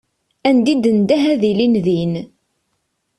Anda i d-tendeh ad ilin din.